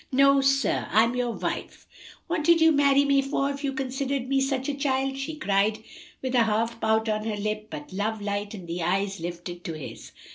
"No, sir, I'm your wife. What did you marry me for if you considered me such a child?" she cried with a half pout on her lip, but love light in the eyes lifted to his.